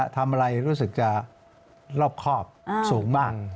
ทำอะไรรู้สึกจะรอบครอบสูงบ้าง